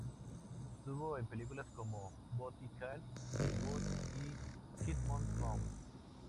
Estuvo en películas como "Booty Call", "The Wood", y "Kingdom Come".